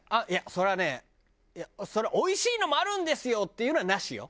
そりゃねおいしいのもあるんですよっていうのはなしよ。